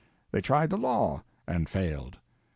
They tried the law—and failed.